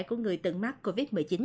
của người từng mắc covid một mươi chín